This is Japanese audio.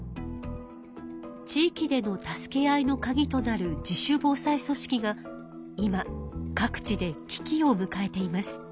地域での助け合いのカギとなる自主防災組織が今各地でき機をむかえています。